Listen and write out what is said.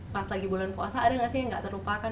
pas lagi bulan puasa ada nggak sih yang nggak terlupakan